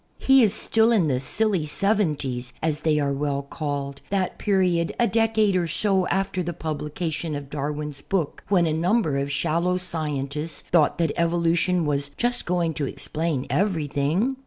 He is still in the "silly seventies," as they are well called, that period a decade or so after the publication of Darwin's book when a number of shallow scientists thought that evolution was just going to explain everything.